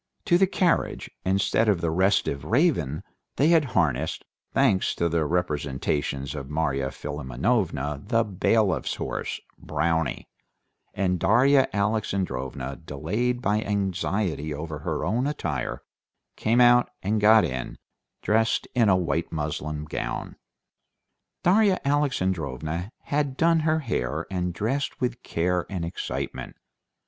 To the carriage, instead of the restive Raven, they had harnessed, thanks to the representations of Marya Philimonovna, the bailiff's horse, Brownie, and Darya Alexandrovna, delayed by anxiety over her own attire, came out and got in, dressed in a white muslin gown. Darya Alexandrovna had done her hair, and dressed with care and excitement.